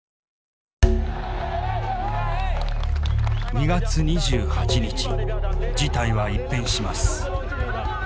２月２８日事態は一変します。